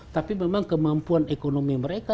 tapi memang kemampuan ekonomi mereka